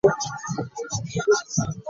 Olyose n'osuulamu akayimba ako.